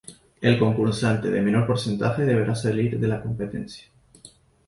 El concursante de menor porcentaje deberá salir de la competencia.